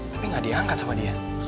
tapi gak diangkat sama dia